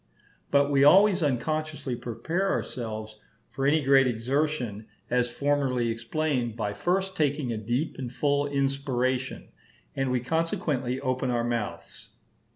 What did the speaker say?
But we always unconsciously prepare ourselves for any great exertion, as formerly explained, by first taking a deep and full inspiration, and we consequently open our mouths.